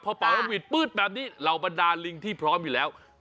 พอเป่านกหวีดปื้นแบบนี้เราบันดาลลิงที่พร้อมอยู่แล้ว